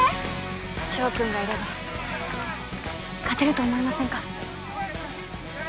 翔君がいれば勝てると思いませんか？